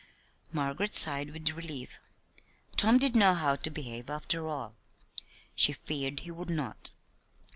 Margaret sighed with relief. Tom did know how to behave, after all. She had feared he would not.